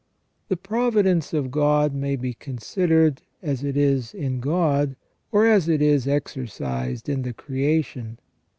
The providence of God may be considered as it is in God, or as it is exercised in the creation.